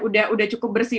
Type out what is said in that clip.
sudah cukup bersih